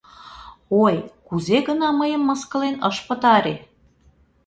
Ой, кузе гына мыйым мыскылен ыш пытаре...